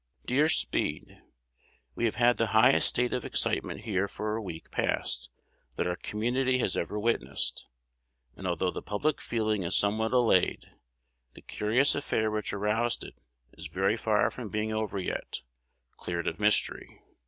Dear Speed, We have had the highest state of excitement here for a week past that our community has ever witnessed; and although the public feeling is somewhat allayed, the curious affair which aroused it is very far from being over yet, cleared of mystery.